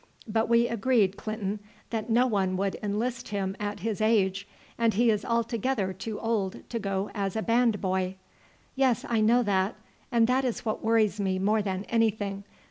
"But we agreed, Clinton, that no one would enlist him at his age, and he is altogether too old to go as a band boy." "Yes, I know that; and that is what worries me more than anything.